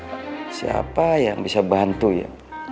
siapa yang bisa bantu ya